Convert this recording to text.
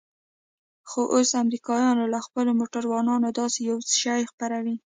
خو اوس امريکايان له خپلو موټرانو داسې يو شى خپروي.